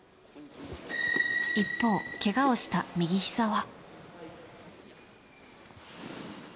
一方、けがをした右ひざは。